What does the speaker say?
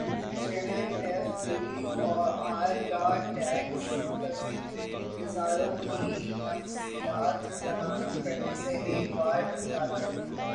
chairman F B R کا tax گزاروں کی تفصیلات فراہم کرنے سے ایک بارانکار کردیا